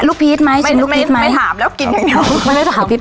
ลูกพีชไหมชิมลูกพีชไหมไม่ไม่ไม่ถามแล้วกินอย่างเดียว